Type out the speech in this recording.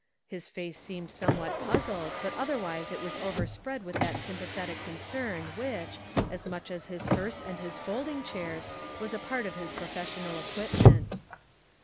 His face seemed somewhat puzzled, but otherwise it was overspread with that sympathetic concern which, as much as his hearse and his folding chairs, was a part of his professional equipment.